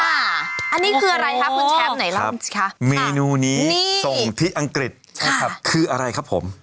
อันนี้คืออะไรครับคุณแชมป์ไหนเล่าสิคะเมนูนี้ส่งที่อังกฤษนะครับคืออะไรครับผม